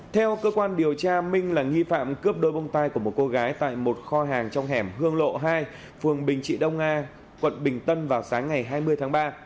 theo cơ quan điều tra minh là nghi phạm cướp đôi bông tai của một cô gái tại một kho hàng trong hẻm hương lộ hai phường bình trị đông a quận bình tân vào sáng ngày hai mươi tháng ba